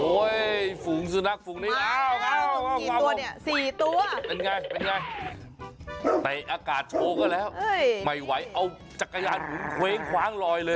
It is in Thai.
โอ้เห้ยฝุ่งสุนัขฝุ่งนี้เข้าเอาสี่ตัวเป็นไงแต่อากาศโชว์ก็แล้วไม่ไหวเอาจักรยามุมเคว้งคว้างลอยเลย